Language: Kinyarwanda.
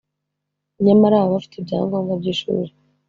nyamara baba bafite ibyangombwa by’ishuri